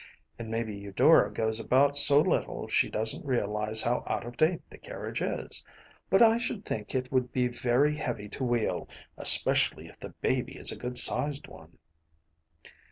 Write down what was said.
“And maybe Eudora goes about so little she doesn’t realize how out of date the carriage is, but I should think it would be very heavy to wheel, especially if the baby is a good sized one.